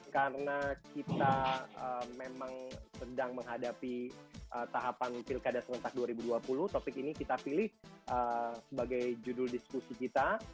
karena kita memang sedang menghadapi tahapan pilkada serentak dua ribu dua puluh topik ini kita pilih sebagai judul diskusi kita